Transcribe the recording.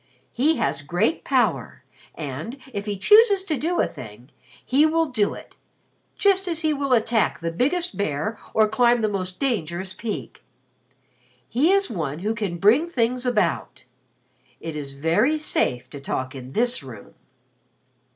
"He has great power and, if he chooses to do a thing, he will do it just as he will attack the biggest bear or climb the most dangerous peak. He is one who can bring things about. It is very safe to talk in this room."